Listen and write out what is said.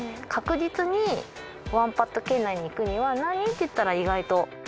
確実に１パット圏内にいくには何っていったら意外と。